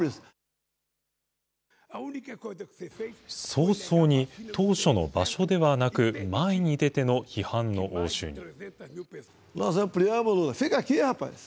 早々に当初の場所ではなく、前に出ての批判の応酬に。